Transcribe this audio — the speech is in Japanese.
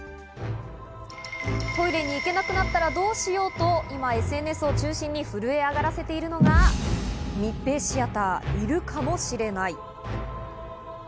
トイレに行けなくなったらどうしよう！と、今ＳＮＳを中心に震え上がらせているのが、密閉シアター『いるかもしれない』。